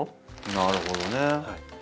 なるほどね。